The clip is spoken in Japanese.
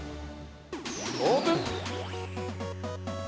◆オープン！